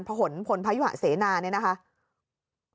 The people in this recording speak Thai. พนธุ์ภนธรรมภายุศาสนิ์เสนานละครับ